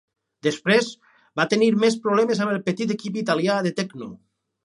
Després va tenir més problemes amb el petit equip italià de Tecno.